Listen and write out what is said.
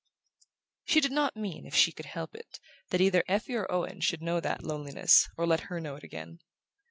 She did not mean, if she could help it, that either Effie or Owen should know that loneliness, or let her know it again.